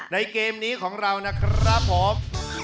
เกมนี้ของเรานะครับผม